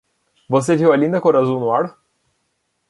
Você viu a linda cor azul no ar?